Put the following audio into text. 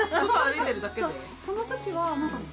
その時は。